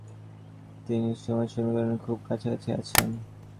তিনি সময় সমীকরণের খুব কাছাকাছি আছেন।